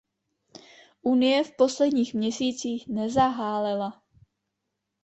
Unie v posledních měsících nezahálela.